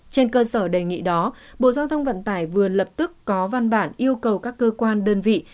trên cơ sở đề nghị đó bộ giao thông vận tải vừa lập tức có văn bản yêu cầu các cơ quan đơn vị